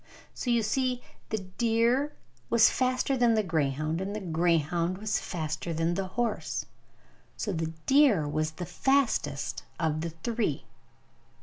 So, you see, the deer was faster than the greyhound, and the greyhound was faster than the horse! So the deer was the fastest of the three.